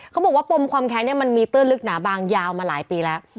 เขาบอกว่าปมความแค้นเนี่ยมันมีตื้นลึกหนาบางยาวมาหลายปีแล้ว